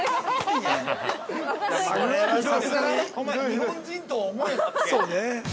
日本人とは思えん発言。